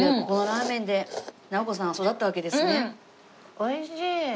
おいしい。